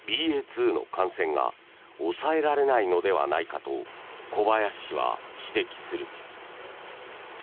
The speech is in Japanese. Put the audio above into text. ．２の感染が抑えられないのではないかと小林氏は指摘する。